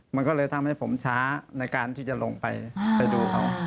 มันก็เลยทำให้ผมช้าในการที่จะลงไปไปดูเขา